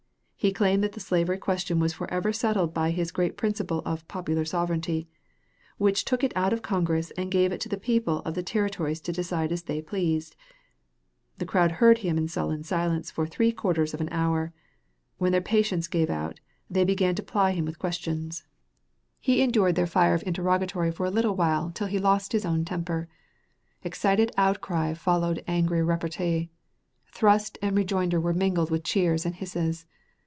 He claimed that the slavery question was forever settled by his great principle of "popular sovereignty," which took it out of Congress and gave it to the people of the territories to decide as they pleased. The crowd heard him in sullen silence for three quarters of an hour, when their patience gave out, and they began to ply him with questions. He endured their fire of interrogatory for a little while till he lost his own temper. Excited outcry followed angry repartee. Thrust and rejoinder were mingled with cheers and hisses.